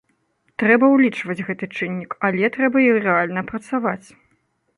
Трэба ўлічваць гэты чыннік, але трэба і рэальна працаваць.